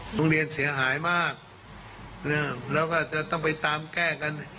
โรงเรียนเสียหายมากแล้วก็จะต้องไปตามแก้กัน